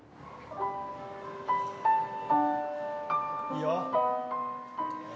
いいよ。